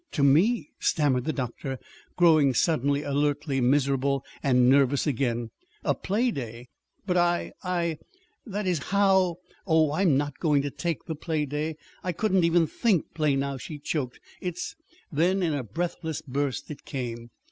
"To to me," stammered the doctor, growing suddenly alertly miserable and nervous again. "A a playday! But I I that is how " "Oh, I'm not going to take the playday. I couldn't even think play now," she choked. "It's " Then in a breathless burst it came.